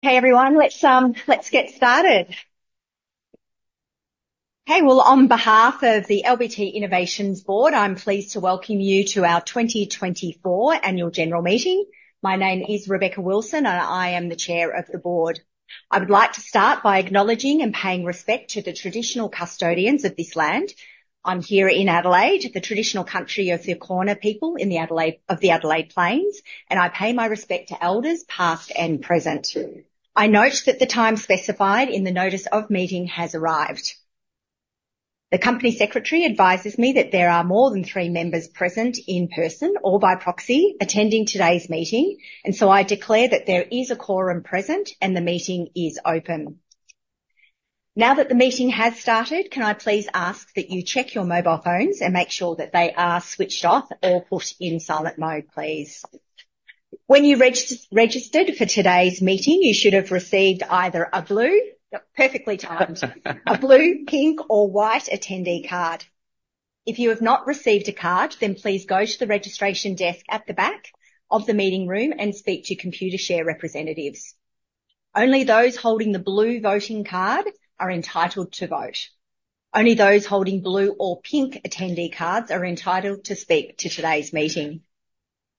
Hey everyone, let's get started. Hey, well, on behalf of the LBT Innovations Board, I'm pleased to welcome you to our 2024 Annual General Meeting. My name is Rebecca Wilson, and I am the Chair of the Board. I would like to start by acknowledging and paying respect to the traditional custodians of this land. I'm here in Adelaide at the traditional country of the Kaurna people of the Adelaide Plains, and I pay my respect to elders past and present. I note that the time specified in the notice of meeting has arrived. The Company Secretary advises me that there are more than three members present in person or by proxy attending today's meeting, and so I declare that there is a quorum present and the meeting is open. Now that the meeting has started, can I please ask that you check your mobile phones and make sure that they are switched off or put in silent mode, please? When you registered for today's meeting, you should have received either a blue, pink, or white attendee card. If you have not received a card, then please go to the registration desk at the back of the meeting room and speak to Computershare representatives. Only those holding the blue voting card are entitled to vote. Only those holding blue or pink attendee cards are entitled to speak to today's meeting.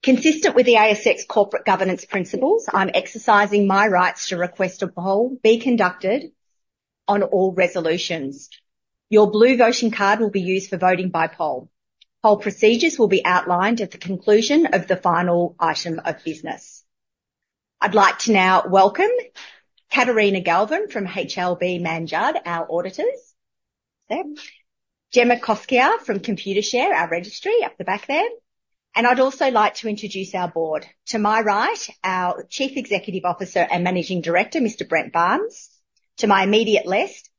Consistent with the ASX corporate governance principles, I'm exercising my rights to request a poll be conducted on all resolutions. Your blue voting card will be used for voting by poll. Poll procedures will be outlined at the conclusion of the final item of business. I'd like to now welcome Katerina Galvin from HLB Mann Judd, our auditors. There. Gemma Kosciecha from Computershare, our registry up the back there. And I'd also like to introduce our board. To my right, our Chief Executive Officer and Managing Director, Mr. Brent Barnes. To my immediate left,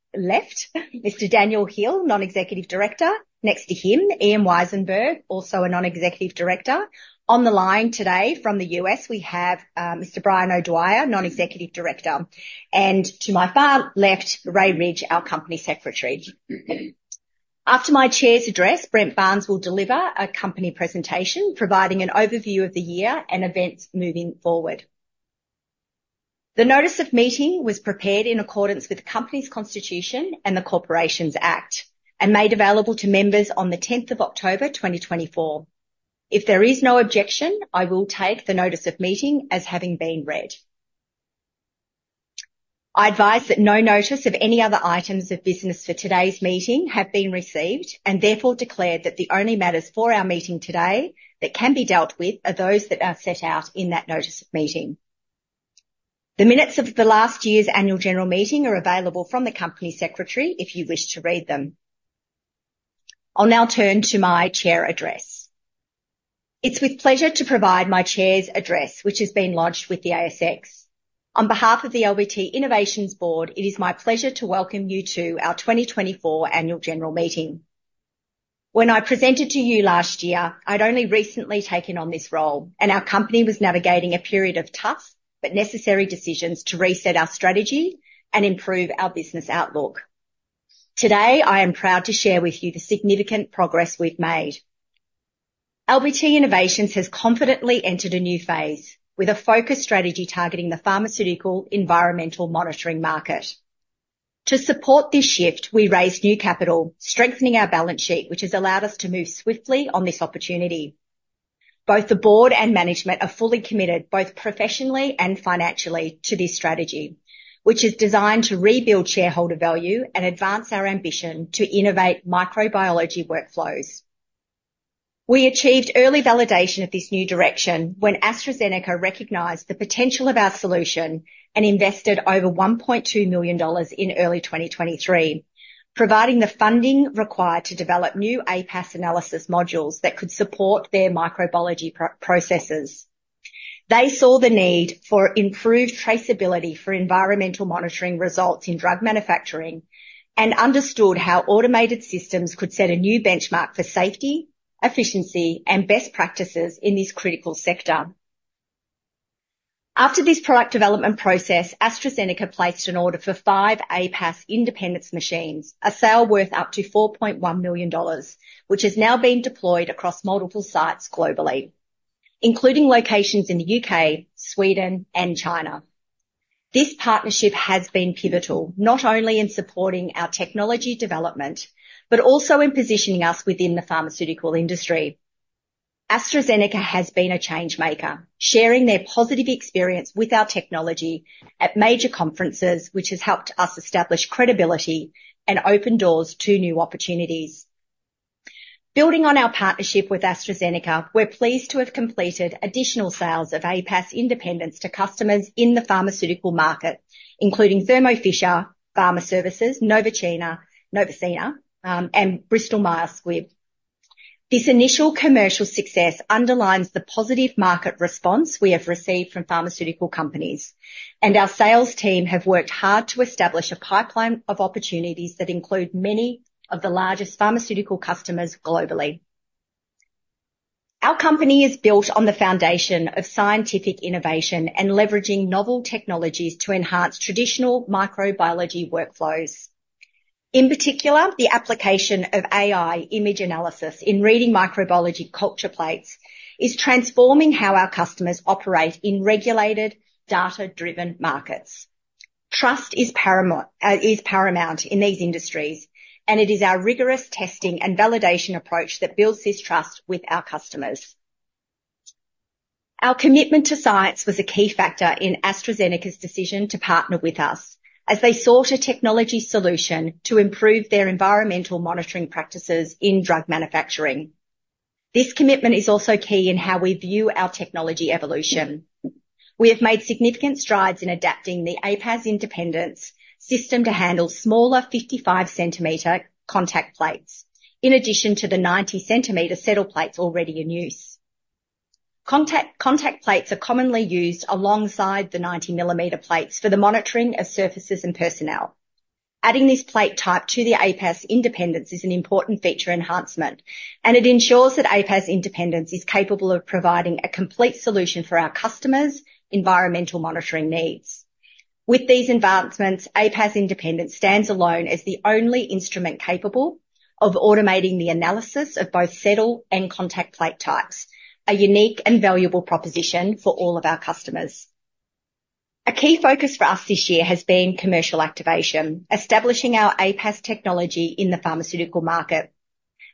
Mr. Daniel Hill, Non-Executive Director. Next to him, Ian Wisenberg, also a Non-Executive Director. On the line today from the U.S., we have Mr. Brian O'Dwyer, Non-Executive Director. And to my far left, Ray Ridge, our Company Secretary. After my chair's address, Brent Barnes will deliver a company presentation providing an overview of the year and events moving forward. The notice of meeting was prepared in accordance with the Company's Constitution and the Corporations Act and made available to members on the 10th of October 2024. If there is no objection, I will take the notice of meeting as having been read. I advise that no notice of any other items of business for today's meeting have been received and therefore I declare that the only matters for our meeting today that can be dealt with are those that are set out in that notice of meeting. The minutes of the last year's Annual General Meeting are available from the Company Secretary if you wish to read them. I'll now turn to my chair address. It's with pleasure to provide my chair's address, which has been lodged with the ASX. On behalf of the LBT Innovations Board, it is my pleasure to welcome you to our 2024 Annual General Meeting. When I presented to you last year, I'd only recently taken on this role, and our company was navigating a period of tough but necessary decisions to reset our strategy and improve our business outlook. Today, I am proud to share with you the significant progress we've made. LBT Innovations has confidently entered a new phase with a focused strategy targeting the pharmaceutical environmental monitoring market. To support this shift, we raised new capital, strengthening our balance sheet, which has allowed us to move swiftly on this opportunity. Both the board and management are fully committed, both professionally and financially, to this strategy, which is designed to rebuild shareholder value and advance our ambition to innovate microbiology workflows. We achieved early validation of this new direction when AstraZeneca recognized the potential of our solution and invested over 1.2 million dollars in early 2023, providing the funding required to develop new APAS analysis modules that could support their microbiology processes. They saw the need for improved traceability for environmental monitoring results in drug manufacturing and understood how automated systems could set a new benchmark for safety, efficiency, and best practices in this critical sector. After this product development process, AstraZeneca placed an order for five APAS Independence machines, a sale worth up to 4.1 million dollars, which has now been deployed across multiple sites globally, including locations in the U.K., Sweden, and China. This partnership has been pivotal, not only in supporting our technology development, but also in positioning us within the pharmaceutical industry. AstraZeneca has been a change maker, sharing their positive experience with our technology at major conferences, which has helped us establish credibility and open doors to new opportunities. Building on our partnership with AstraZeneca, we're pleased to have completed additional sales of APAS Independence to customers in the pharmaceutical market, including Thermo Fisher Pharma Services, NovaCina, and Bristol Myers Squibb. This initial commercial success underlines the positive market response we have received from pharmaceutical companies, and our sales team have worked hard to establish a pipeline of opportunities that include many of the largest pharmaceutical customers globally. Our company is built on the foundation of scientific innovation and leveraging novel technologies to enhance traditional microbiology workflows. In particular, the application of AI image analysis in reading microbiology culture plates is transforming how our customers operate in regulated, data-driven markets. Trust is paramount in these industries, and it is our rigorous testing and validation approach that builds this trust with our customers. Our commitment to science was a key factor in AstraZeneca's decision to partner with us as they sought a technology solution to improve their environmental monitoring practices in drug manufacturing. This commitment is also key in how we view our technology evolution. We have made significant strides in adapting the APAS Independence system to handle smaller 55 mm contact plates, in addition to the 90 mm settle plates already in use. Contact plates are commonly used alongside the 90 mm plates for the monitoring of surfaces and personnel. Adding this plate type to the APAS Independence is an important feature enhancement, and it ensures that APAS Independence is capable of providing a complete solution for our customers' environmental monitoring needs. With these advancements, APAS Independence stands alone as the only instrument capable of automating the analysis of both settle and contact plate types, a unique and valuable proposition for all of our customers. A key focus for us this year has been commercial activation, establishing our APAS technology in the pharmaceutical market.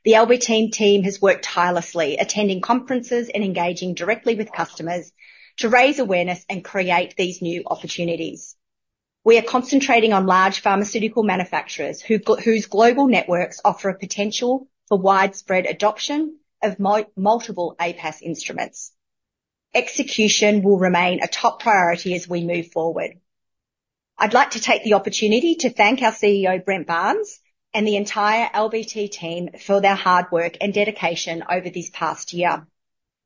The LBT team has worked tirelessly, attending conferences and engaging directly with customers to raise awareness and create these new opportunities. We are concentrating on large pharmaceutical manufacturers whose global networks offer a potential for widespread adoption of multiple APAS instruments. Execution will remain a top priority as we move forward. I'd like to take the opportunity to thank our CEO, Brent Barnes, and the entire LBT team for their hard work and dedication over this past year.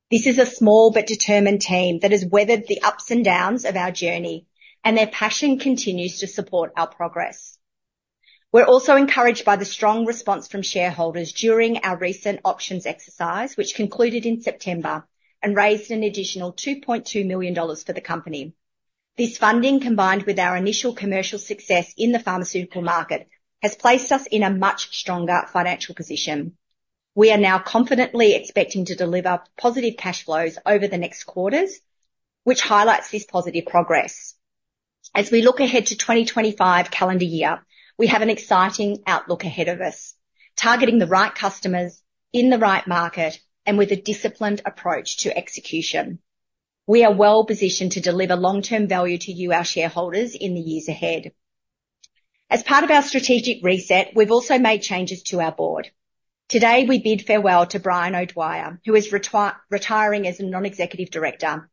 This is a small but determined team that has weathered the ups and downs of our journey, and their passion continues to support our progress. We're also encouraged by the strong response from shareholders during our recent options exercise, which concluded in September and raised an additional 2.2 million dollars for the company. This funding, combined with our initial commercial success in the pharmaceutical market, has placed us in a much stronger financial position. We are now confidently expecting to deliver positive cash flows over the next quarters, which highlights this positive progress. As we look ahead to the 2025 calendar year, we have an exciting outlook ahead of us, targeting the right customers in the right market and with a disciplined approach to execution. We are well positioned to deliver long-term value to you, our shareholders, in the years ahead. As part of our strategic reset, we've also made changes to our board. Today, we bid farewell to Brian O'Dwyer, who is retiring as a non-executive director.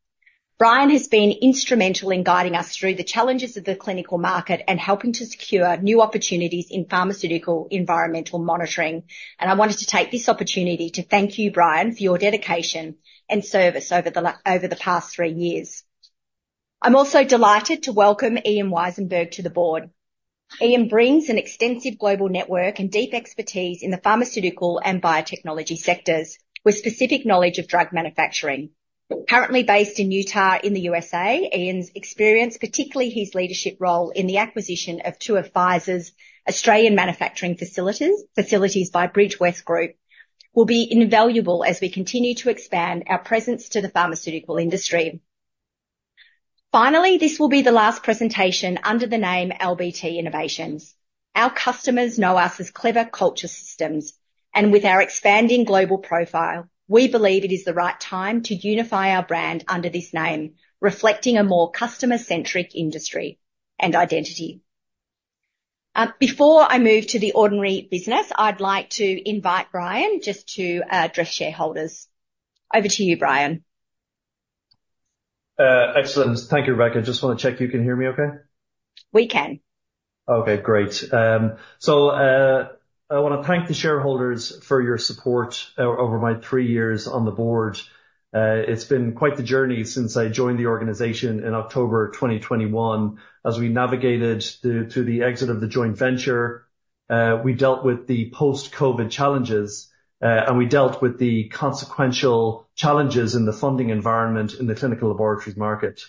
Brian has been instrumental in guiding us through the challenges of the clinical market and helping to secure new opportunities in pharmaceutical environmental monitoring, and I wanted to take this opportunity to thank you, Brian, for your dedication and service over the past three years. I'm also delighted to welcome Ian Wisenberg to the board. Ian brings an extensive global network and deep expertise in the pharmaceutical and biotechnology sectors, with specific knowledge of drug manufacturing. Currently based in Utah in the USA, Ian's experience, particularly his leadership role in the acquisition of two of Pfizer's Australian manufacturing facilities by Bridgewest Group, will be invaluable as we continue to expand our presence to the pharmaceutical industry. Finally, this will be the last presentation under the name LBT Innovations. Our customers know us as Clever Culture Systems, and with our expanding global profile, we believe it is the right time to unify our brand under this name, reflecting a more customer-centric industry and identity. Before I move to the ordinary business, I'd like to invite Brian just to address shareholders. Over to you, Brian. Excellent. Thank you, Rebecca. Just want to check you can hear me okay? We can. Okay, great. So I want to thank the shareholders for your support over my three years on the board. It's been quite the journey since I joined the organization in October 2021. As we navigated through the exit of the joint venture, we dealt with the post-COVID challenges, and we dealt with the consequential challenges in the funding environment in the clinical laboratories market.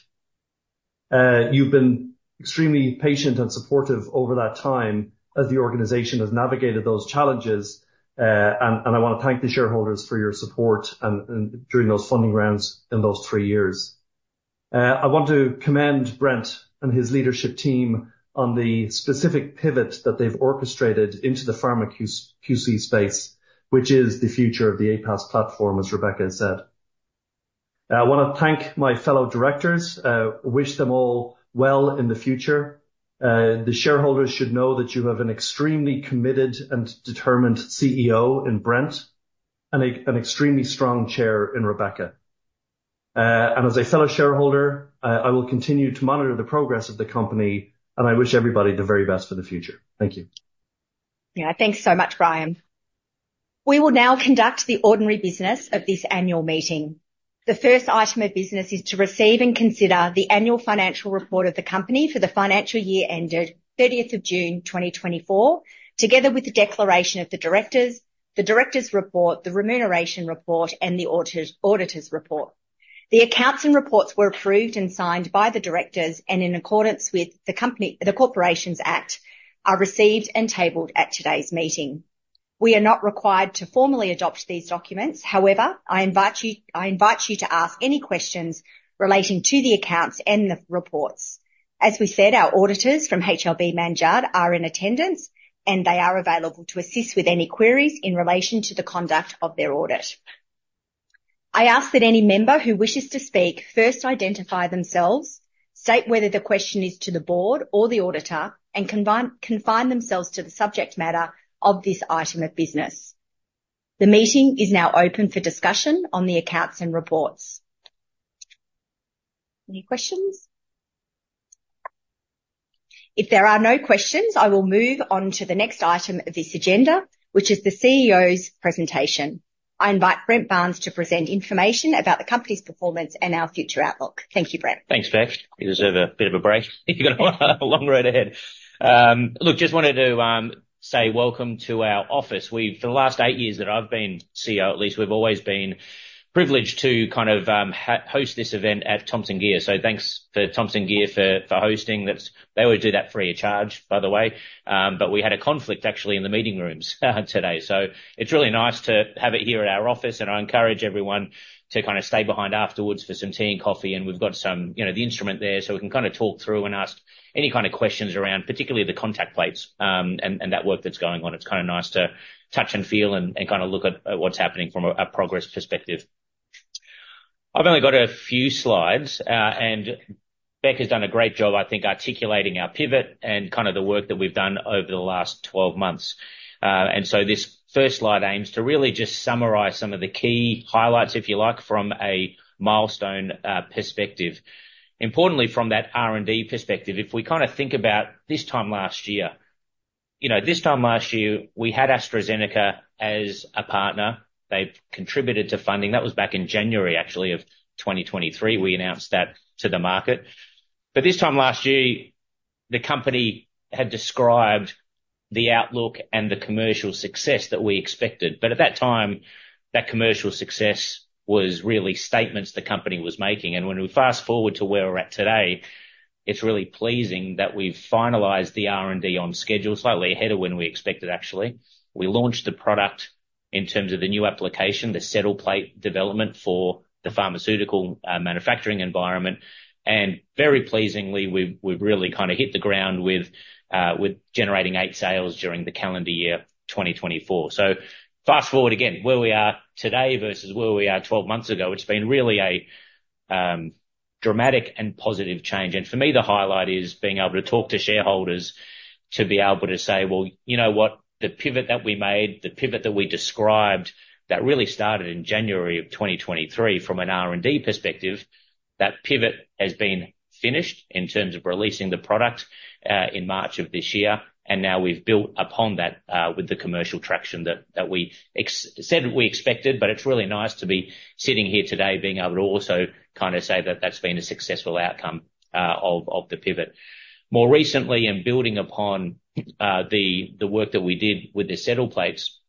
You've been extremely patient and supportive over that time as the organization has navigated those challenges, and I want to thank the shareholders for your support during those funding rounds in those three years. I want to commend Brent and his leadership team on the specific pivot that they've orchestrated into the pharma QC space, which is the future of the APAS platform, as Rebecca said. I want to thank my fellow directors, wish them all well in the future. The shareholders should know that you have an extremely committed and determined CEO in Brent and an extremely strong Chair in Rebecca, and as a fellow shareholder, I will continue to monitor the progress of the company, and I wish everybody the very best for the future. Thank you. Yeah, thanks so much, Brian. We will now conduct the ordinary business of this annual meeting. The first item of business is to receive and consider the annual financial report of the company for the financial year ended 30th of June 2024, together with the declaration of the directors, the directors' report, the remuneration report, and the auditors' report. The accounts and reports were approved and signed by the directors and, in accordance with the Corporations Act, are received and tabled at today's meeting. We are not required to formally adopt these documents. However, I invite you to ask any questions relating to the accounts and the reports. As we said, our auditors from HLB Mann Judd are in attendance, and they are available to assist with any queries in relation to the conduct of their audit. I ask that any member who wishes to speak first identify themselves, state whether the question is to the board or the auditor, and confine themselves to the subject matter of this item of business. The meeting is now open for discussion on the accounts and reports. Any questions? If there are no questions, I will move on to the next item of this agenda, which is the CEO's presentation. I invite Brent Barnes to present information about the company's performance and our future outlook. Thank you, Brent. Thanks, Bec. You deserve a bit of a break if you've got a long road ahead. Look, just wanted to say welcome to our office. For the last eight years that I've been CEO, at least, we've always been privileged to kind of host this event at Thomson Geer. So thanks to Thomson Geer for hosting. They would do that free of charge, by the way. But we had a conflict, actually, in the meeting rooms today. So it's really nice to have it here at our office, and I encourage everyone to kind of stay behind afterwards for some tea and coffee, and we've got the instrument there so we can kind of talk through and ask any kind of questions around, particularly the contact plates and that work that's going on. It's kind of nice to touch and feel and kind of look at what's happening from a progress perspective. I've only got a few slides, and Bec has done a great job, I think, articulating our pivot and kind of the work that we've done over the last 12 months, and so this first slide aims to really just summarize some of the key highlights, if you like, from a milestone perspective. Importantly, from that R&D perspective, if we kind of think about this time last year, this time last year, we had AstraZeneca as a partner. They've contributed to funding. That was back in January, actually, of 2023. We announced that to the market, but this time last year, the company had described the outlook and the commercial success that we expected, but at that time, that commercial success was really statements the company was making. And when we fast forward to where we're at today, it's really pleasing that we've finalized the R&D on schedule, slightly ahead of when we expected, actually. We launched the product in terms of the new application, the settle plate development for the pharmaceutical manufacturing environment. And very pleasingly, we've really kind of hit the ground with generating eight sales during the calendar year 2024. So fast forward again, where we are today versus where we are 12 months ago, it's been really a dramatic and positive change. And for me, the highlight is being able to talk to shareholders to be able to say, "Well, you know what? The pivot that we made, the pivot that we described, that really started in January of 2023 from an R&D perspective, that pivot has been finished in terms of releasing the product in March of this year, and now we've built upon that with the commercial traction that we said we expected, but it's really nice to be sitting here today, being able to also kind of say that that's been a successful outcome of the pivot. More recently, in building upon the work that we did with the settle plates,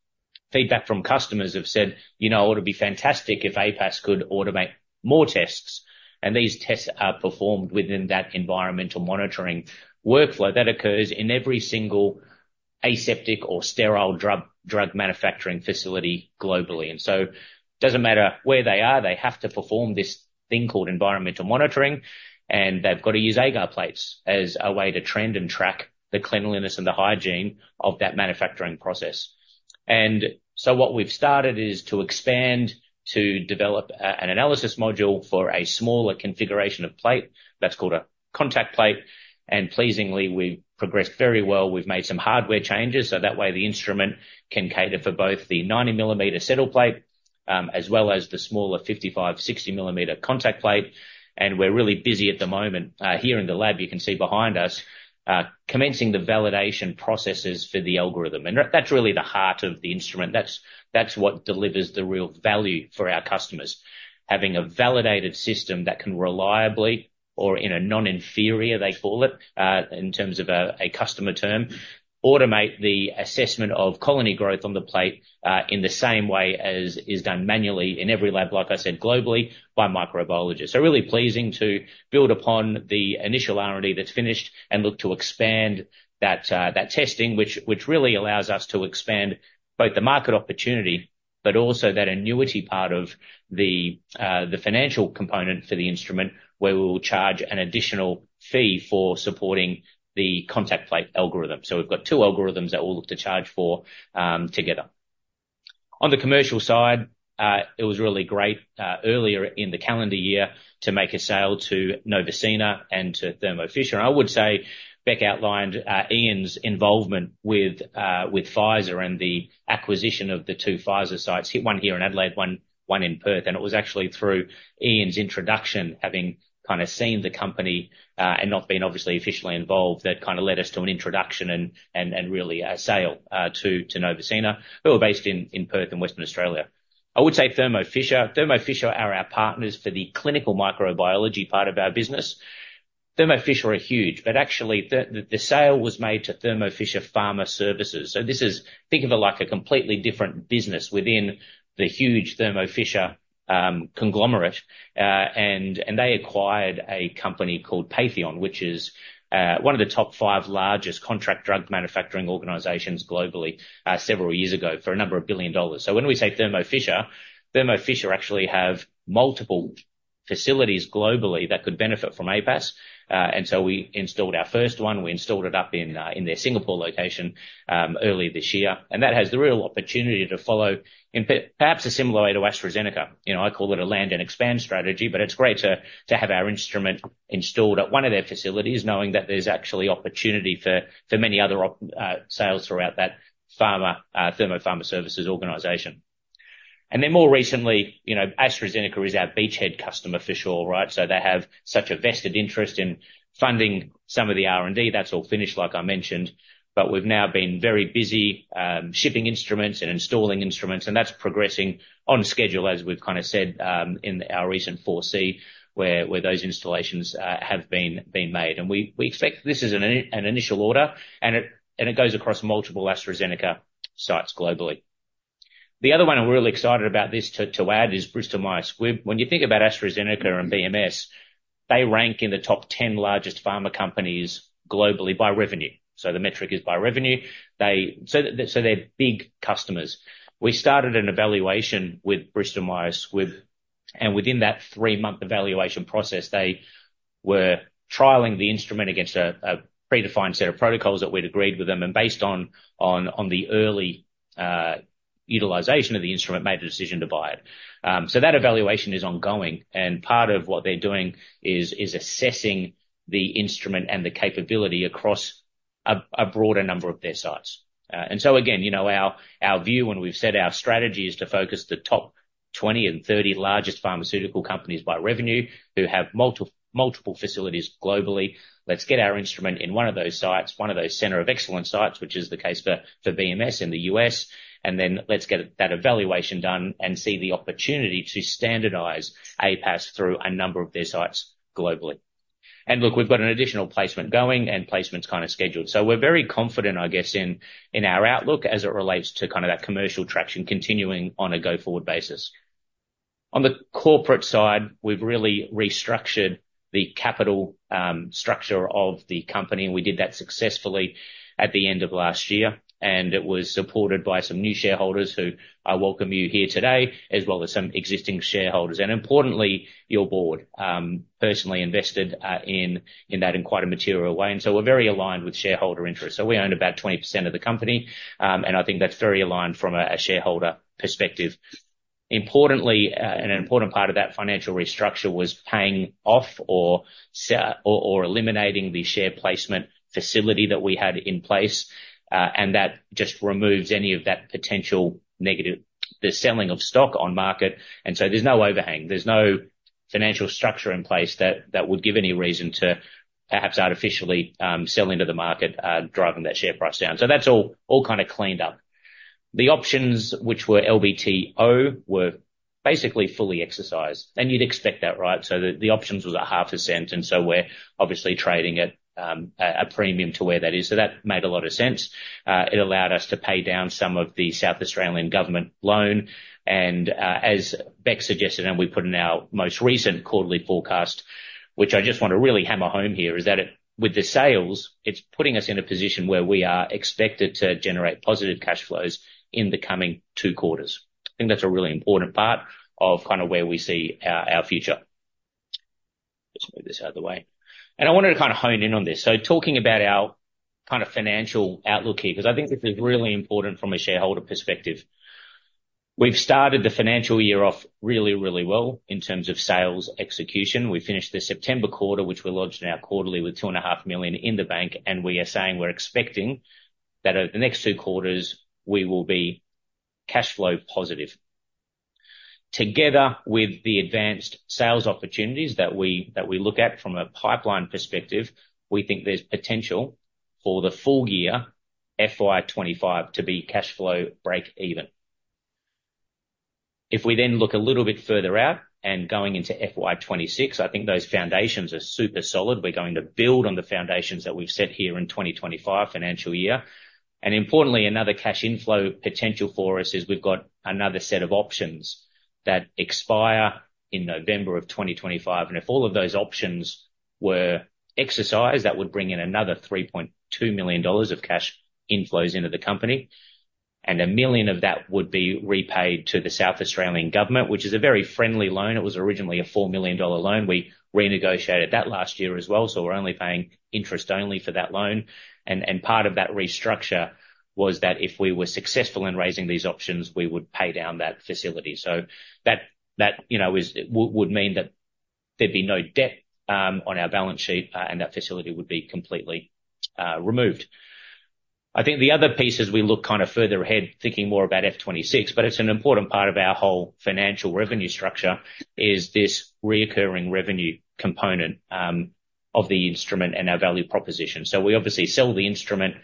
feedback from customers have said, "It would be fantastic if APAS could automate more tests," and these tests are performed within that environmental monitoring workflow that occurs in every single aseptic or sterile drug manufacturing facility globally. And so it doesn't matter where they are, they have to perform this thing called environmental monitoring, and they've got to use agar plates as a way to trend and track the cleanliness and the hygiene of that manufacturing process. And so what we've started is to expand to develop an analysis module for a smaller configuration of plate. That's called a contact plate. And pleasingly, we've progressed very well. We've made some hardware changes so that way the instrument can cater for both the 90 millimeter settle plate as well as the smaller 55, 60 millimeter contact plate. And we're really busy at the moment. Here in the lab, you can see behind us commencing the validation processes for the algorithm. And that's really the heart of the instrument. That's what delivers the real value for our customers, having a validated system that can reliably, or in a non-inferior way, they call it in terms of a customer term, automate the assessment of colony growth on the plate in the same way as is done manually in every lab, like I said, globally by microbiologists, so really pleasing to build upon the initial R&D that's finished and look to expand that testing, which really allows us to expand both the market opportunity, but also that annuity part of the financial component for the instrument, where we will charge an additional fee for supporting the contact plate algorithm, so we've got two algorithms that we'll look to charge for together. On the commercial side, it was really great earlier in the calendar year to make a sale to NovaCina and to Thermo Fisher. I would say, Bec outlined Ian's involvement with Pfizer and the acquisition of the two Pfizer sites, one here in Adelaide, one in Perth. It was actually through Ian's introduction, having kind of seen the company and not being obviously officially involved, that kind of led us to an introduction and really a sale to NovaCina, who are based in Perth and Western Australia. I would say Thermo Fisher. Thermo Fisher are our partners for the clinical microbiology part of our business. Thermo Fisher are huge, but actually, the sale was made to Thermo Fisher Pharma Services. So this is, think of it like a completely different business within the huge Thermo Fisher conglomerate. They acquired a company called Patheon, which is one of the top five largest contract drug manufacturing organizations globally several years ago for a number of billion dollars. So when we say Thermo Fisher, Thermo Fisher actually has multiple facilities globally that could benefit from APAS. And so we installed our first one. We installed it up in their Singapore location earlier this year. And that has the real opportunity to follow in perhaps a similar way to AstraZeneca. I call it a land and expand strategy, but it's great to have our instrument installed at one of their facilities, knowing that there's actually opportunity for many other sales throughout that Thermo Fisher Pharma Services organization. And then more recently, AstraZeneca is our beachhead customer for sure, right? So they have such a vested interest in funding some of the R&D. That's all finished, like I mentioned. But we've now been very busy shipping instruments and installing instruments. And that's progressing on schedule, as we've kind of said in our recent 4C, where those installations have been made. We expect this is an initial order, and it goes across multiple AstraZeneca sites globally. The other one I'm really excited about this to add is Bristol Myers Squibb. When you think about AstraZeneca and BMS, they rank in the top 10 largest pharma companies globally by revenue. The metric is by revenue. They're big customers. We started an evaluation with Bristol Myers Squibb, and within that three-month evaluation process, they were trialing the instrument against a predefined set of protocols that we'd agreed with them. Based on the early utilization of the instrument, they made a decision to buy it. That evaluation is ongoing. Part of what they're doing is assessing the instrument and the capability across a broader number of their sites. And so again, our view, and we've said our strategy is to focus the top 20 and 30 largest pharmaceutical companies by revenue who have multiple facilities globally. Let's get our instrument in one of those sites, one of those center of excellence sites, which is the case for BMS in the U.S. And then let's get that evaluation done and see the opportunity to standardize APAS through a number of their sites globally. And look, we've got an additional placement going and placements kind of scheduled. So we're very confident, I guess, in our outlook as it relates to kind of that commercial traction continuing on a go-forward basis. On the corporate side, we've really restructured the capital structure of the company. We did that successfully at the end of last year. It was supported by some new shareholders who I welcome you here today, as well as some existing shareholders. Importantly, your board personally invested in that in quite a material way. So we're very aligned with shareholder interests. We own about 20% of the company. I think that's very aligned from a shareholder perspective. Importantly, an important part of that financial restructure was paying off or eliminating the share placement facility that we had in place. That just removes any of that potential negative, the selling of stock on market. So there's no overhang. There's no financial structure in place that would give any reason to perhaps artificially sell into the market, driving that share price down. That's all kind of cleaned up. The options, which were LBTO, were basically fully exercised. You'd expect that, right? So the options was at AUD 0.005. And so we're obviously trading at a premium to where that is. So that made a lot of sense. It allowed us to pay down some of the South Australian government loan. And as Bec suggested, and we put in our most recent quarterly forecast, which I just want to really hammer home here, is that with the sales, it's putting us in a position where we are expected to generate positive cash flows in the coming two quarters. I think that's a really important part of kind of where we see our future. Just move this out of the way. And I wanted to kind of hone in on this. So talking about our kind of financial outlook here, because I think this is really important from a shareholder perspective. We've started the financial year off really, really well in terms of sales execution. We finished the September quarter, which we launched in our quarterly with 2.5 million in the bank. And we are saying we're expecting that over the next two quarters, we will be cash flow positive. Together with the advanced sales opportunities that we look at from a pipeline perspective, we think there's potential for the full year, FY25, to be cash flow break even. If we then look a little bit further out and going into FY26, I think those foundations are super solid. We're going to build on the foundations that we've set here in 2025 financial year. And importantly, another cash inflow potential for us is we've got another set of options that expire in November of 2025. If all of those options were exercised, that would bring in another 3.2 million dollars of cash inflows into the company. And 1 million of that would be repaid to the South Australian government, which is a very friendly loan. It was originally a 4 million dollar loan. We renegotiated that last year as well. So we're only paying interest only for that loan. And part of that restructure was that if we were successful in raising these options, we would pay down that facility. So that would mean that there'd be no debt on our balance sheet, and that facility would be completely removed. I think the other piece as we look kind of further ahead, thinking more about F26, but it's an important part of our whole financial revenue structure, is this recurring revenue component of the instrument and our value proposition. We obviously sell the instrument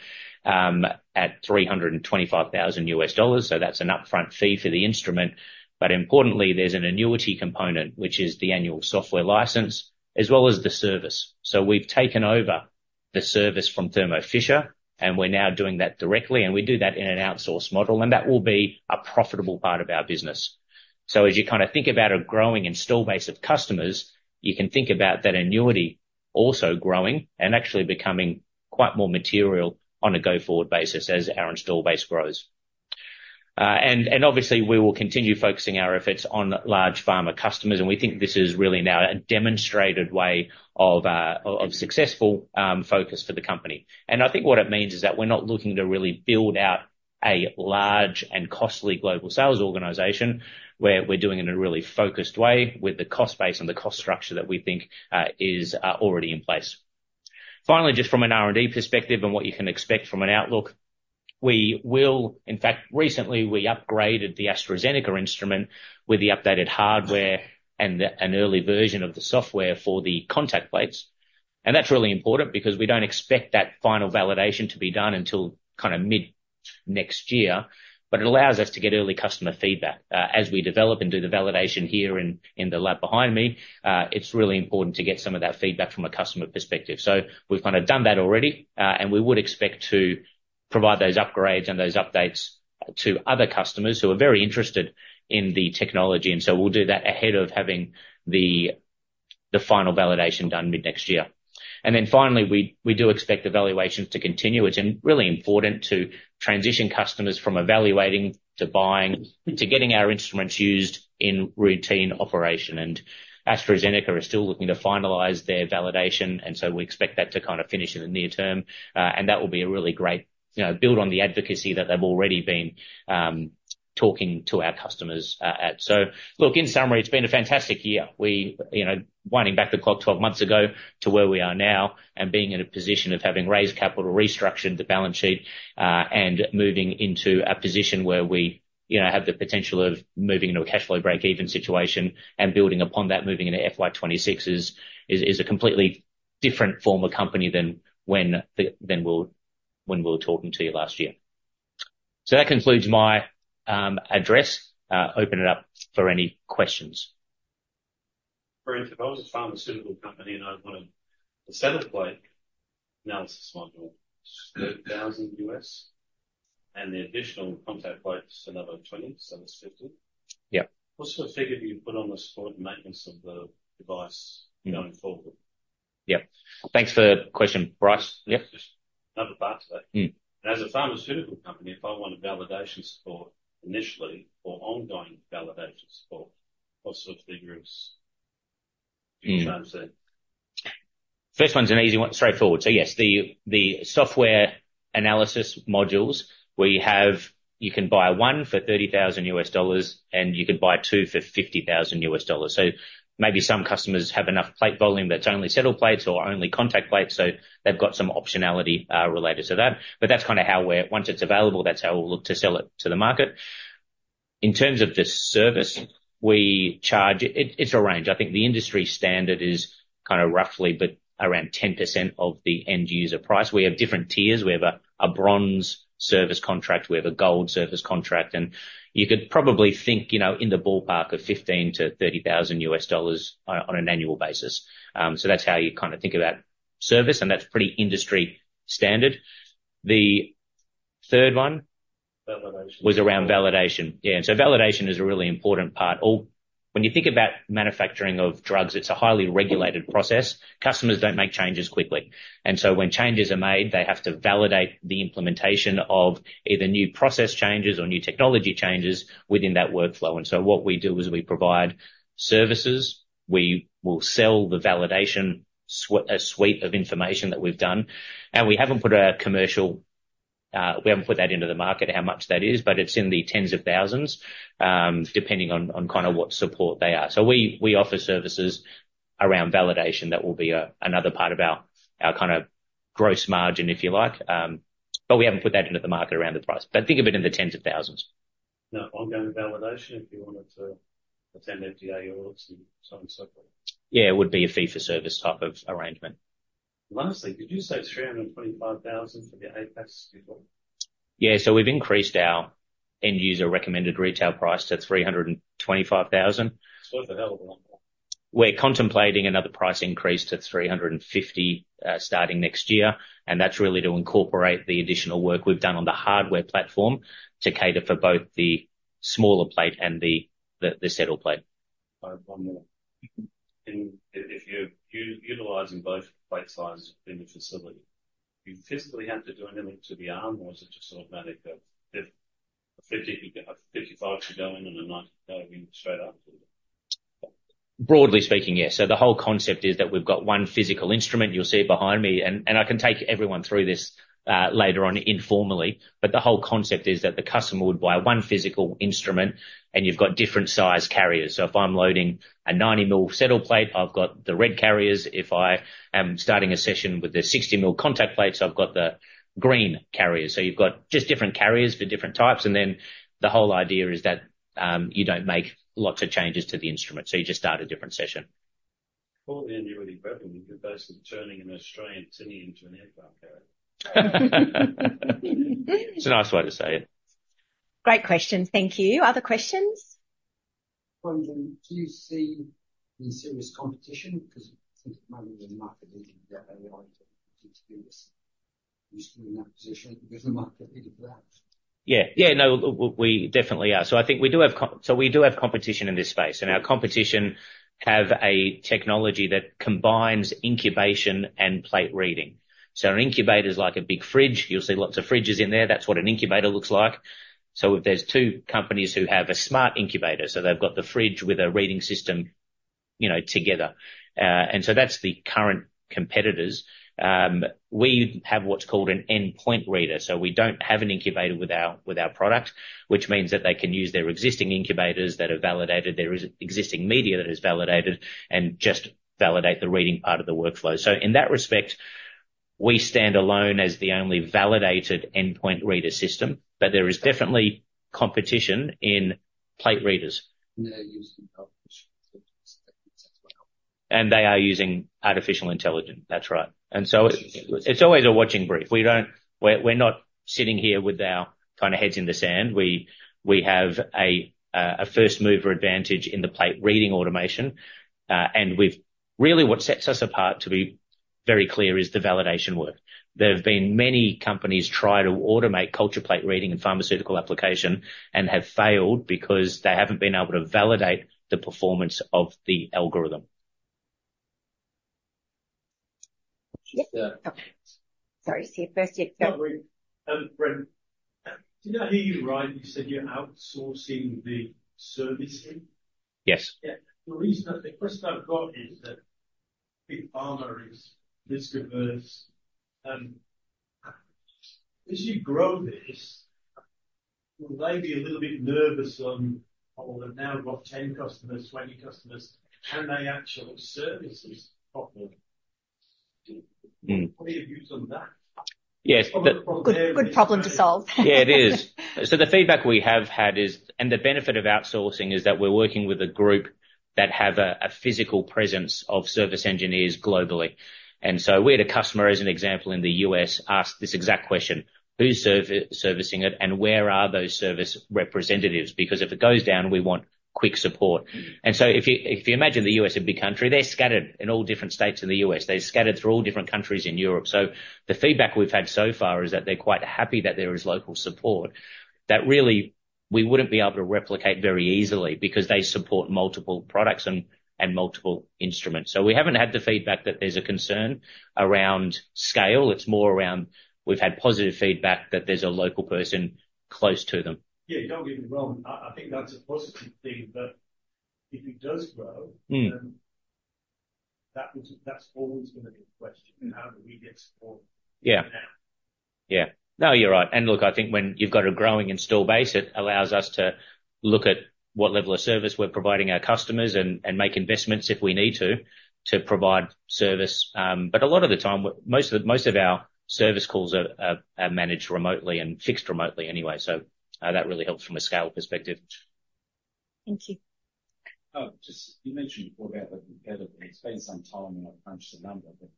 at AUD 325,000. So that's an upfront fee for the instrument. But importantly, there's an annuity component, which is the annual software license, as well as the service. So we've taken over the service from Thermo Fisher, and we're now doing that directly. And we do that in an outsourced model. And that will be a profitable part of our business. So as you kind of think about a growing install base of customers, you can think about that annuity also growing and actually becoming quite more material on a go-forward basis as our install base grows. And obviously, we will continue focusing our efforts on large pharma customers. And we think this is really now a demonstrated way of successful focus for the company. I think what it means is that we're not looking to really build out a large and costly global sales organization where we're doing it in a really focused way with the cost base and the cost structure that we think is already in place. Finally, just from an R&D perspective and what you can expect from an outlook, recently, we upgraded the AstraZeneca instrument with the updated hardware and an early version of the software for the contact plates. That's really important because we don't expect that final validation to be done until kind of mid next year. It allows us to get early customer feedback as we develop and do the validation here in the lab behind me. It's really important to get some of that feedback from a customer perspective. We've kind of done that already. And we would expect to provide those upgrades and those updates to other customers who are very interested in the technology. And so we'll do that ahead of having the final validation done mid next year. And then finally, we do expect evaluations to continue, which is really important to transition customers from evaluating to buying to getting our instruments used in routine operation. And AstraZeneca are still looking to finalize their validation. And so we expect that to kind of finish in the near term. And that will be a really great build on the advocacy that they've already been talking to our customers at. So look, in summary, it's been a fantastic year. Winding back the clock 12 months ago to where we are now and being in a position of having raised capital, restructured the balance sheet, and moving into a position where we have the potential of moving into a cash flow break-even situation and building upon that, moving into FY26 is a completely different form of company than when we were talking to you last year. So that concludes my address. Open it up for any questions. For instance, I was a pharmaceutical company, and I wanted a set of plate assessment module, $30,000, and the additional contact plates, another 20, so that's 50. What sort of figure do you put on the support and maintenance of the device going forward? Yeah. Thanks for the question, Bryce. Yeah. Another part of it. As a pharmaceutical company, if I wanted validation support initially or ongoing validation support, what sort of figures do you charge there? First one's an easy one, straightforward. Yes, the software analysis modules we have, you can buy one for $30,000 and you can buy two for $50,000. Maybe some customers have enough plate volume that's only settle plates or only contact plates. They've got some optionality related to that. That's kind of how we're, once it's available, that's how we'll look to sell it to the market. In terms of the service, we charge. It's a range. I think the industry standard is kind of roughly around 10% of the end user price. We have different tiers. We have a bronze service contract. We have a gold service contract. You could probably think in the ballpark of $15,000-$30,000 on an annual basis. So that's how you kind of think about service. And that's pretty industry standard. The third one was around validation. Yeah. And so validation is a really important part. When you think about manufacturing of drugs, it's a highly regulated process. Customers don't make changes quickly. And so when changes are made, they have to validate the implementation of either new process changes or new technology changes within that workflow. And so what we do is we provide services. We will sell the validation suite of information that we've done. And we haven't put that into the market, how much that is, but it's in the tens of thousands, depending on kind of what support they are. So we offer services around validation that will be another part of our kind of gross margin, if you like. But we haven't put that into the market around the price. But think of it in the tens of thousands. Now, ongoing validation, if you wanted to attend FDA audits and so on and so forth. Yeah, it would be a fee-for-service type of arrangement. Lastly, did you say 325,000 for the APAS before? Yeah. So we've increased our end user recommended retail price to 325,000. That's worth a hell of a lot more. We're contemplating another price increase to 350,000 starting next year. And that's really to incorporate the additional work we've done on the hardware platform to cater for both the smaller plate and the settle plate. If you're utilizing both plate sizes in the facility, you physically have to do anything to the arm, or is it just automatic? A 55 to go in and a 90 to go in straight up? Broadly speaking, yes. So the whole concept is that we've got one physical instrument you'll see behind me. And I can take everyone through this later on informally. But the whole concept is that the customer would buy one physical instrument, and you've got different size carriers. So if I'm loading a 90mm settle plate, I've got the red carriers. If I am starting a session with the 55mm contact plates, I've got the green carriers. So you've got just different carriers for different types. And then the whole idea is that you don't make lots of changes to the instrument. So you just start a different session. What would the annuity be? Basically turning an Australian tinny into an aircraft carrier. It's a nice way to say it. Great question. Thank you. Other questions? Do you see any serious competition? Because I think the market needed that AI to be used to be in that position because the market needed that. Yeah. Yeah. No, we definitely are. So I think we do have competition in this space. And our competition have a technology that combines incubation and plate reading. So an incubator is like a big fridge. You'll see lots of fridges in there. That's what an incubator looks like. So there's two companies who have a smart incubator. So they've got the fridge with a reading system together. And so that's the current competitors. We have what's called an endpoint reader. So we don't have an incubator with our product, which means that they can use their existing incubators that are validated, their existing media that is validated, and just validate the reading part of the workflow. In that respect, we stand alone as the only validated endpoint reader system. But there is definitely competition in plate readers. And they are using artificial intelligence. That's right. And so it's always a watching brief. We're not sitting here with our kind of heads in the sand. We have a first mover advantage in the plate reading automation. And really what sets us apart, to be very clear, is the validation work. There have been many companies try to automate culture plate reading and pharmaceutical application and have failed because they haven't been able to validate the performance of the algorithm. Sorry. Do you know how you rate? You said you're outsourcing the servicing. Yes. The question I've got is that big pharma is risk averse. As you grow this, will they be a little bit nervous on, "Oh, we've now got 10 customers, 20 customers, can they actually service properly?" What are your views on that? Yes. Good problem to solve. Yeah, it is. So the feedback we have had is, and the benefit of outsourcing is that we're working with a group that have a physical presence of service engineers globally. And so we had a customer, as an example, in the U.S. asked this exact question, "Who's servicing it? And where are those service representatives?" Because if it goes down, we want quick support. And so if you imagine the U.S. is a big country, they're scattered in all different states in the U.S. They're scattered through all different countries in Europe. The feedback we've had so far is that they're quite happy that there is local support that really we wouldn't be able to replicate very easily because they support multiple products and multiple instruments, so we haven't had the feedback that there's a concern around scale. It's more around we've had positive feedback that there's a local person close to them. Yeah. Don't get me wrong. I think that's a positive thing. But if it does grow, that's always going to be a question. How do we get support now? Yeah. No, you're right. And look, I think when you've got a growing install base, it allows us to look at what level of service we're providing our customers and make investments if we need to, to provide service. But a lot of the time, most of our service calls are managed remotely and fixed remotely anyway. That really helps from a scale perspective. Thank you. You mentioned before about the competitor. It's been some time and I've crunched a number. But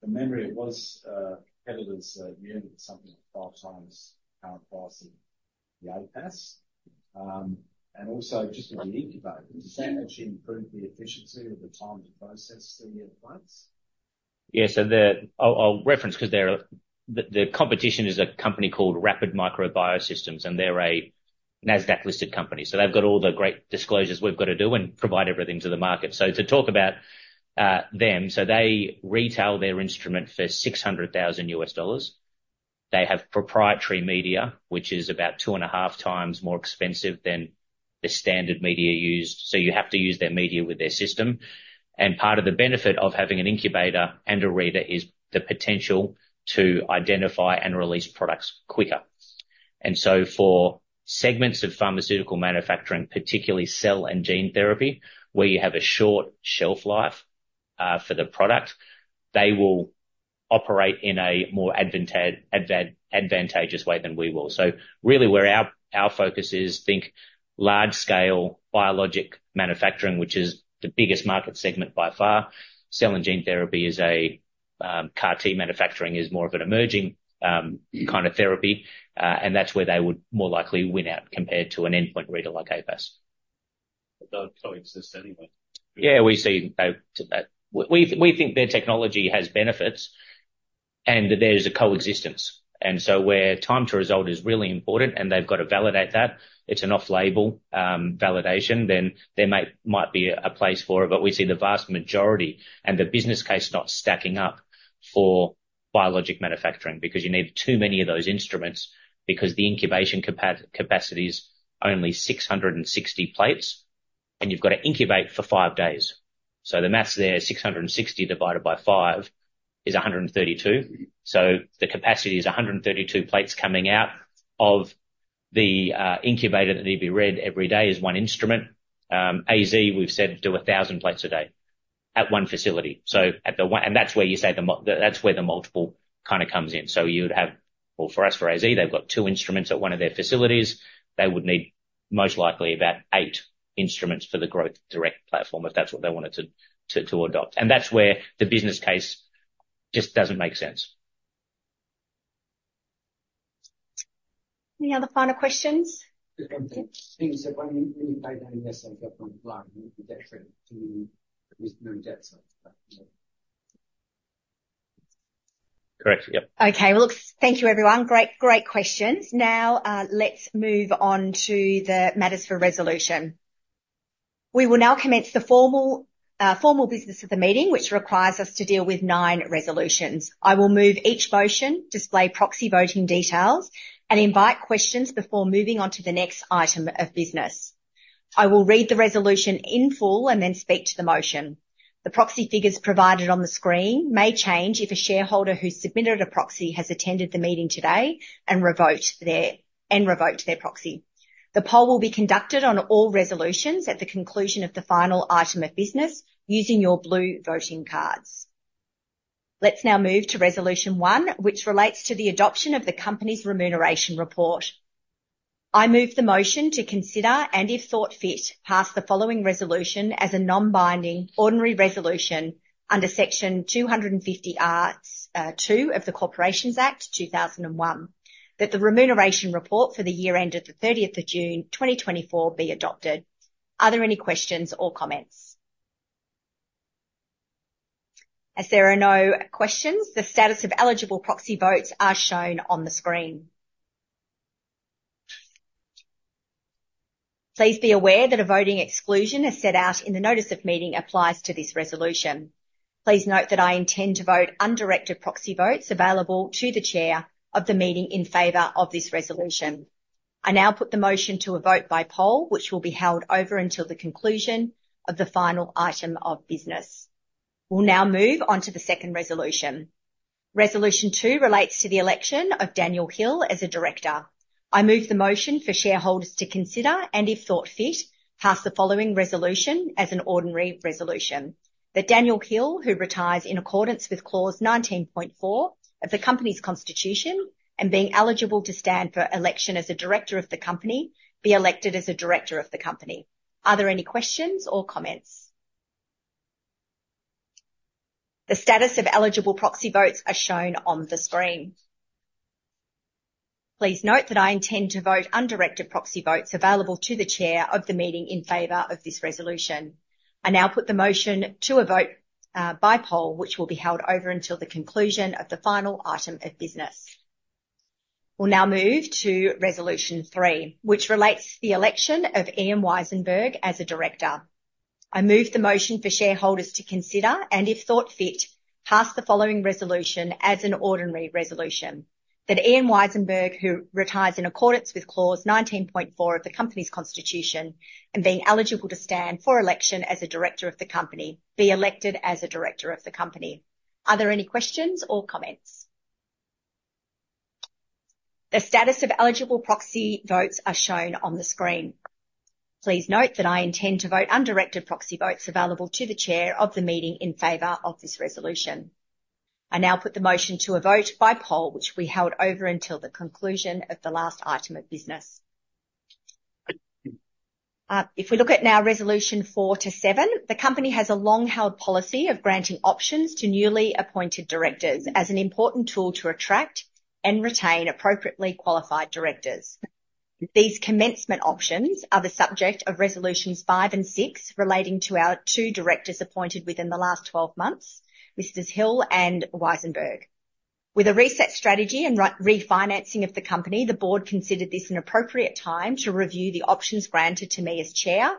from memory, it was competitors that you ended something like five times the price of the APAS. And also just with the incubator, does that actually improve the efficiency of the time to process the plates? Yeah. So I'll reference because the competition is a company called Rapid Micro Biosystems, and they're a Nasdaq-listed company. So they've got all the great disclosures we've got to do and provide everything to the market. So to talk about them, so they retail their instrument for $600,000. They have proprietary media, which is about two and a half times more expensive than the standard media used. So you have to use their media with their system. Part of the benefit of having an incubator and a reader is the potential to identify and release products quicker. For segments of pharmaceutical manufacturing, particularly cell and gene therapy, where you have a short shelf life for the product, they will operate in a more advantageous way than we will. Really, where our focus is, think large-scale biologic manufacturing, which is the biggest market segment by far. Cell and gene therapy is a CAR-T manufacturing is more of an emerging kind of therapy. That's where they would more likely win out compared to an endpoint reader like APAS. They don't coexist anyway. Yeah. We think their technology has benefits, and there's a coexistence. Where time to result is really important, and they've got to validate that. It's an off-label validation. Then there might be a place for it. But we see the vast majority and the business case not stacking up for biologic manufacturing because you need too many of those instruments because the incubation capacity is only 660 plates, and you've got to incubate for five days. So the math there, 660 divided by 5 is 132. So the capacity is 132 plates coming out of the incubator that need to be read every day is one instrument. AZ, we've said do 1,000 plates a day at one facility. And that's where you say that's where the multiple kind of comes in. So you'd have, well, for us, for AZ, they've got two instruments at one of their facilities. They would need most likely about eight instruments for the Growth Direct platform if that's what they wanted to adopt. And that's where the business case just doesn't make sense. Any other final questions? It seems that when you pay down yourself up on the fly, you'll be detrimental to your no debt cycle. Correct. Yep. Okay. Well, look, thank you, everyone. Great questions. Now, let's move on to the matters for resolution. We will now commence the formal business of the meeting, which requires us to deal with nine resolutions. I will move each motion, display proxy voting details, and invite questions before moving on to the next item of business. I will read the resolution in full and then speak to the motion. The proxy figures provided on the screen may change if a shareholder who submitted a proxy has attended the meeting today and revoked their proxy. The poll will be conducted on all resolutions at the conclusion of the final item of business using your blue voting cards. Let's now move to resolution one, which relates to the adoption of the company's remuneration report. I move the motion to consider, and if thought fit, pass the following resolution as a non-binding ordinary resolution under section 250(2) of the Corporations Act 2001, that the remuneration report for the year ended the 30th of June, 2024, be adopted. Are there any questions or comments? As there are no questions, the status of eligible proxy votes are shown on the screen. Please be aware that a voting exclusion as set out in the notice of meeting applies to this resolution. Please note that I intend to vote undirected proxy votes available to the chair of the meeting in favor of this resolution. I now put the motion to a vote by poll, which will be held over until the conclusion of the final item of business. We'll now move on to the second resolution. Resolution two relates to the election of Daniel Hill as a director. I move the motion for shareholders to consider, and if thought fit, pass the following resolution as an ordinary resolution. That Daniel Hill, who retires in accordance with clause 19.4 of the company's constitution and being eligible to stand for election as a director of the company, be elected as a director of the company. Are there any questions or comments? The status of eligible proxy votes are shown on the screen. Please note that I intend to vote undirected proxy votes available to the chair of the meeting in favor of this resolution. I now put the motion to a vote by poll, which will be held over until the conclusion of the final item of business. We'll now move to resolution three, which relates to the election of Ian Weisenberg as a director. I move the motion for shareholders to consider, and if thought fit, pass the following resolution as an ordinary resolution. That Ian Weisenberg, who retires in accordance with clause 19.4 of the company's constitution and being eligible to stand for election as a director of the company, be elected as a director of the company. Are there any questions or comments? The status of eligible proxy votes are shown on the screen. Please note that I intend to vote undirected proxy votes available to the chair of the meeting in favor of this resolution. I now put the motion to a vote by poll, which we held over until the conclusion of the last item of business. If we look at now resolution four to seven, the company has a long-held policy of granting options to newly appointed directors as an important tool to attract and retain appropriately qualified directors. These commencement options are the subject of resolutions five and six relating to our two directors appointed within the last 12 months, Mr. Hill and Weisenberg. With a reset strategy and refinancing of the company, the board considered this an appropriate time to review the options granted to me as chair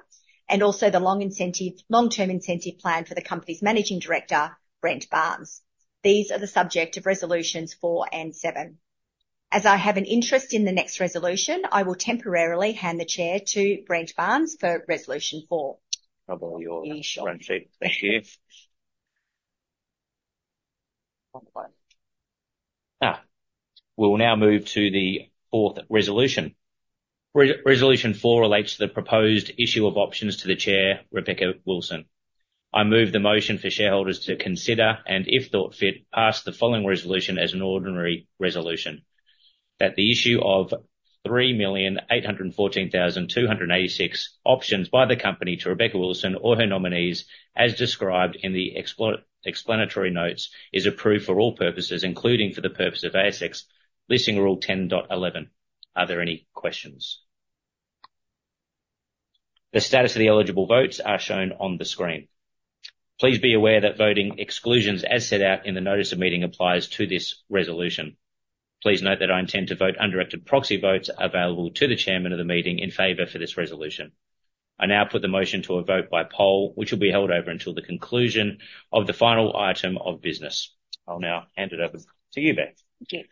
and also the long-term incentive plan for the company's managing director, Brent Barnes. These are the subject of resolutions four and seven. As I have an interest in the next resolution, I will temporarily hand the chair to Brent Barnes for resolution four. Thank you. We will now move to the fourth resolution. Resolution four relates to the proposed issue of options to the chair, Rebecca Wilson. I move the motion for shareholders to consider and, if thought fit, pass the following resolution as an ordinary resolution. That the issue of 3,814,286 options by the company to Rebecca Wilson or her nominees, as described in the explanatory notes, is approved for all purposes, including for the purpose of ASX Listing Rule 10.11. Are there any questions? The status of the eligible votes are shown on the screen. Please be aware that voting exclusions, as set out in the notice of meeting, applies to this resolution. Please note that I intend to vote undirected proxy votes available to the chairman of the meeting in favor for this resolution. I now put the motion to a vote by poll, which will be held over until the conclusion of the final item of business. I'll now hand it over to you, Beth. Thank you.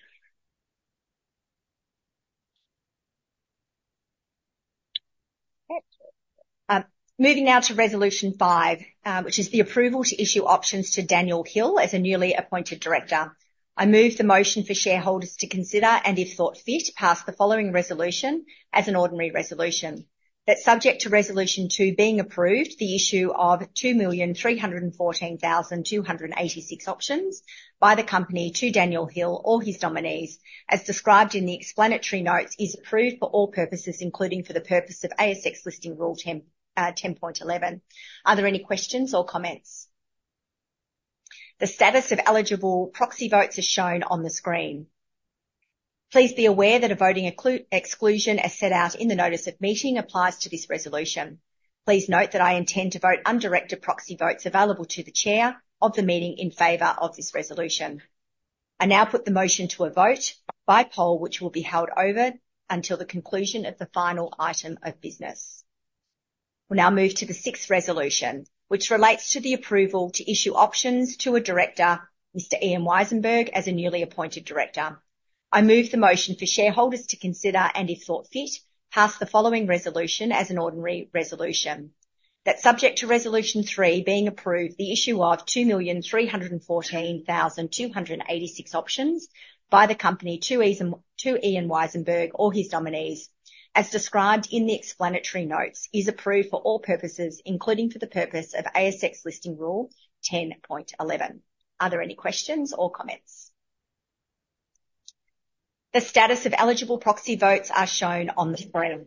Moving now to resolution five, which is the approval to issue options to Daniel Hill as a newly appointed director. I move the motion for shareholders to consider and, if thought fit, pass the following resolution as an ordinary resolution. That subject to resolution two being approved, the issue of 2,314,286 options by the company to Daniel Hill or his nominees, as described in the explanatory notes, is approved for all purposes, including for the purpose of ASX Llisting Rule 10.11. Are there any questions or comments? The status of eligible proxy votes is shown on the screen. Please be aware that a voting exclusion, as set out in the notice of meeting, applies to this resolution. Please note that I intend to vote undirected proxy votes available to the chair of the meeting in favor of this resolution. I now put the motion to a vote by poll, which will be held over until the conclusion of the final item of business. We'll now move to the sixth resolution, which relates to the approval to issue options to a director, Mr. Ian Wisenberg, as a newly appointed director. I move the motion for shareholders to consider and, if thought fit, pass the following resolution as an ordinary resolution. That subject to resolution three being approved, the issue of 2,314,286 options by the company to Ian Wisenberg or his nominees, as described in the explanatory notes, is approved for all purposes, including for the purpose of ASX Listing Rule 10.11. Are there any questions or comments? The status of eligible proxy votes are shown on the screen.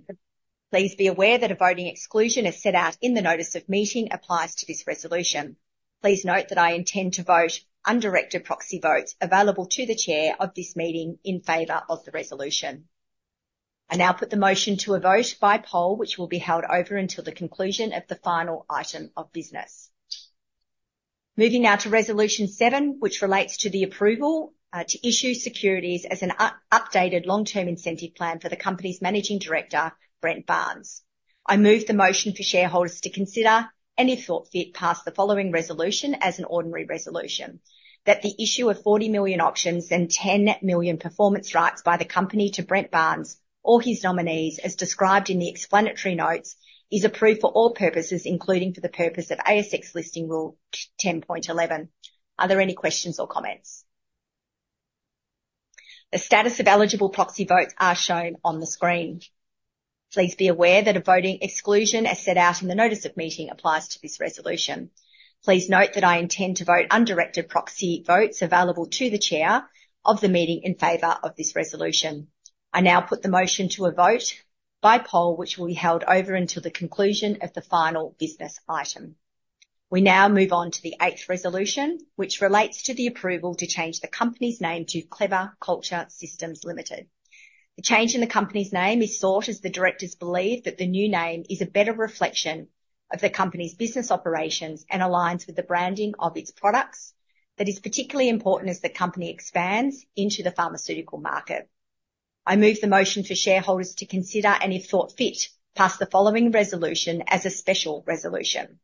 Please be aware that a voting exclusion, as set out in the notice of meeting, applies to this resolution. Please note that I intend to vote undirected proxy votes available to the chair of this meeting in favor of the resolution. I now put the motion to a vote by poll, which will be held over until the conclusion of the final item of business. Moving now to resolution seven, which relates to the approval to issue securities as an updated long-term incentive plan for the company's managing director, Brent Barnes. I move the motion for shareholders to consider and, if thought fit, pass the following resolution as an ordinary resolution. That the issue of 40 million options and 10 million performance rights by the company to Brent Barnes or his nominees, as described in the explanatory notes, is approved for all purposes, including for the purpose of ASX Listing Rule 10.11. Are there any questions or comments? The status of eligible proxy votes are shown on the screen. Please be aware that a voting exclusion, as set out in the notice of meeting, applies to this resolution. Please note that I intend to vote undirected proxy votes available to the chair of the meeting in favor of this resolution. I now put the motion to a vote by poll, which will be held over until the conclusion of the final business item. We now move on to the eighth resolution, which relates to the approval to change the company's name to Clever Culture Systems Limited. The change in the company's name is sought as the directors believe that the new name is a better reflection of the company's business operations and aligns with the branding of its products that is particularly important as the company expands into the pharmaceutical market. I move the motion for shareholders to consider and, if thought fit, pass the following resolution as a special resolution.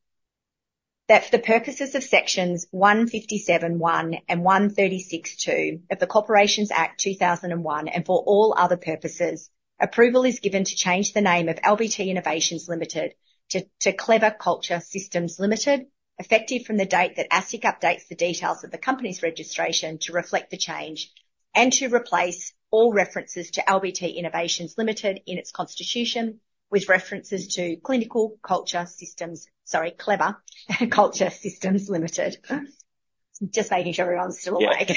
That for the purposes of sections 157(1) and 136(2) of the Corporations Act 2001, and for all other purposes, approval is given to change the name of LBT Innovations Limited to Clever Culture Systems Limited, effective from the date that ASIC updates the details of the company's registration to reflect the change and to replace all references to LBT Innovations Limited in its constitution with references to Clinical Culture Systems, sorry, Clever Culture Systems Limited. Just making sure everyone's still awake.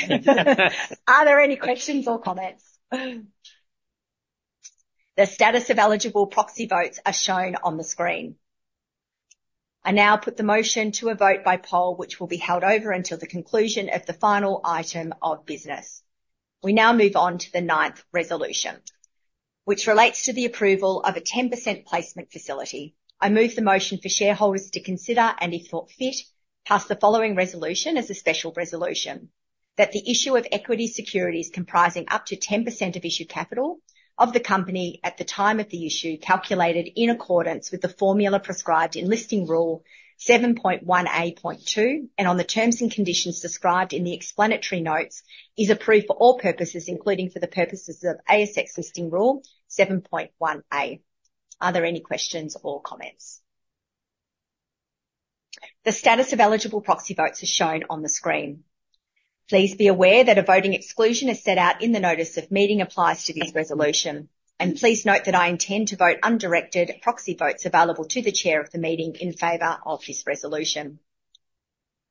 Are there any questions or comments? The status of eligible proxy votes are shown on the screen. I now put the motion to a vote by poll, which will be held over until the conclusion of the final item of business. We now move on to the ninth resolution, which relates to the approval of a 10% placement facility. I move the motion for shareholders to consider and, if thought fit, pass the following resolution as a special resolution. That the issue of equity securities comprising up to 10% of issued capital of the company at the time of the issue calculated in accordance with the formula prescribed in Listing Rule 7.1-8.2 and on the terms and conditions described in the explanatory notes is approved for all purposes, including for the purposes of ASX Listing Rule 7.1A. Are there any questions or comments? The status of eligible proxy votes is shown on the screen. Please be aware that a voting exclusion as set out in the notice of meeting applies to this resolution. Please note that I intend to vote undirected proxy votes available to the chair of the meeting in favor of this resolution.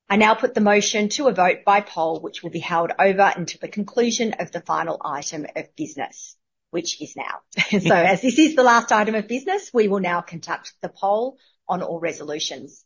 I now put the motion to a vote by poll, which will be held over until the conclusion of the final item of business, which is now. As this is the last item of business, we will now conduct the poll on all resolutions.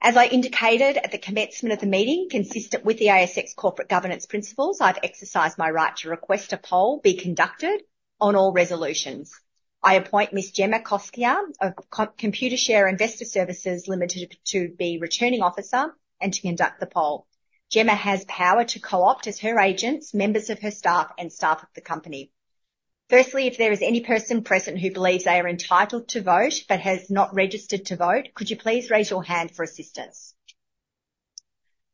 As I indicated at the commencement of the meeting, consistent with the ASX corporate governance principles, I've exercised my right to request a poll be conducted on all resolutions. I appoint Ms. Gemma Kosciecha of Computershare Investor Services Limited to be returning officer and to conduct the poll. Gemma has power to co-opt as her agents, members of her staff, and staff of the company. Firstly, if there is any person present who believes they are entitled to vote but has not registered to vote, could you please raise your hand for assistance?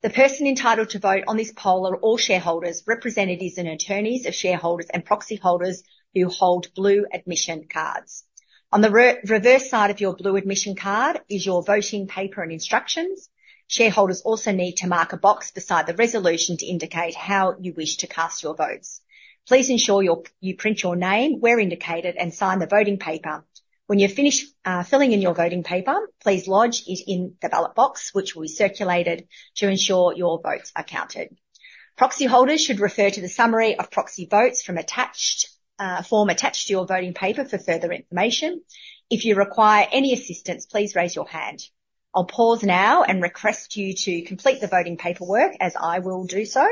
The person entitled to vote on this poll are all shareholders, representatives, and attorneys of shareholders and proxy holders who hold blue admission cards. On the reverse side of your blue admission card is your voting paper and instructions. Shareholders also need to mark a box beside the resolution to indicate how you wish to cast your votes. Please ensure you print your name where indicated and sign the voting paper. When you're finished filling in your voting paper, please lodge it in the ballot box, which will be circulated to ensure your votes are counted. Proxy holders should refer to the summary of proxy votes from a form attached to your voting paper for further information. If you require any assistance, please raise your hand. I'll pause now and request you to complete the voting paperwork as I will do so.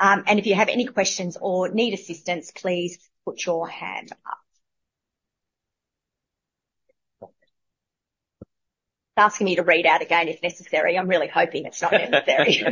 And if you have any questions or need assistance, please put your hand up. It's asking me to read out again if necessary. I'm really hoping it's not necessary.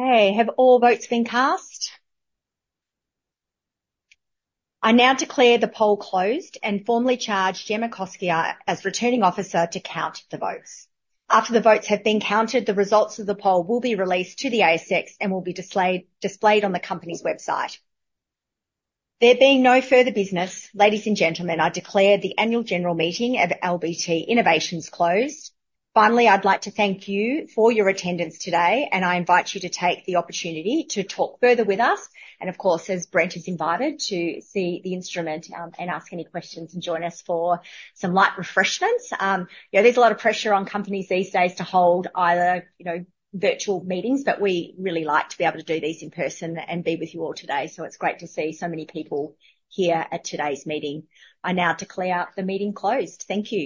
Okay. Have all votes been cast? I now declare the poll closed and formally charge Gemma Kosciecha as returning officer to count the votes. After the votes have been counted, the results of the poll will be released to the ASX and will be displayed on the company's website. There being no further business, ladies and gentlemen, I declare the annual general meeting of LBT Innovations closed. Finally, I'd like to thank you for your attendance today, and I invite you to take the opportunity to talk further with us. Of course, as Brent has invited, to see the instrument and ask any questions and join us for some light refreshments. There's a lot of pressure on companies these days to hold either virtual meetings, but we really like to be able to do these in person and be with you all today. It's great to see so many people here at today's meeting. I now declare the meeting closed. Thank you.